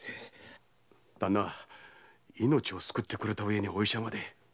旦那命を救ってくれた上にお医者まで。